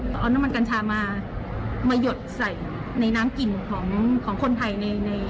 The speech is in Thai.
เอาน้ำมันกัญชามามาหยดใส่ในน้ำกลิ่นของคนไทยใน